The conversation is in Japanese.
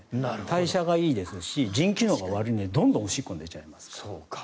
代謝がいいですし腎機能が悪いので、どんどんおしっこに出ちゃいます。